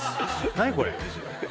何これ？